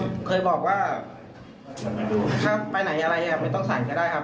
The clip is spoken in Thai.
ผมเคยบอกว่าถ้าไปไหนอะไรไม่ต้องใส่ก็ได้ครับ